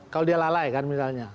kalau dia lalai kan misalnya